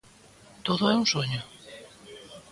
Todo é un soño?